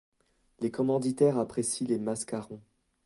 Les commanditaires apprécient les mascarons.